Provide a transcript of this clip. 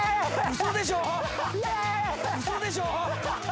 嘘でしょ？